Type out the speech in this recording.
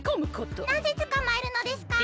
なぜつかまえるのですか？